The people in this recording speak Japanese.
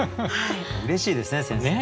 うれしいですね先生。